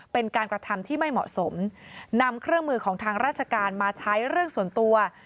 เป็นการกระทำที่ไม่เหมาะสมนำเครื่องมือของทางราชการมาใช้เรื่องส่วนตัว